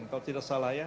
kalau tidak salah ya